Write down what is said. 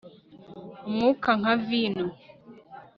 Umwuka nka vino